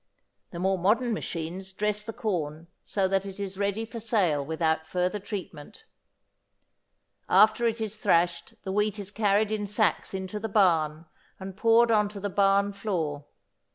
The more modern machines dress the corn so that it is ready for sale without further treatment. After it is thrashed the wheat is carried in sacks into the barn and poured on to the barn floor.